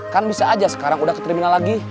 kan bisa aja sekarang udah ke terminal lagi